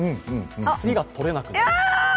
次が取れなくなる。